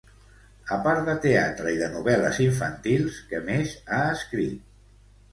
A part de teatre i de novel·les infantils, què més ha escrit?